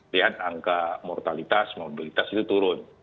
lihat angka mortalitas mobilitas itu turun